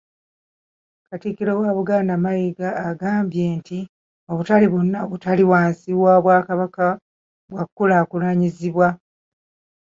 Katikkiro wa Buganda Mayiga, agambye nti obutale bwonna obuli wansi w’Obwakabaka bwakulaakulanyizibwa.